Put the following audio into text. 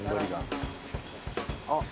あっ